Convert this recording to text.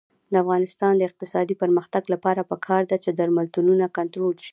د افغانستان د اقتصادي پرمختګ لپاره پکار ده چې درملتونونه کنټرول شي.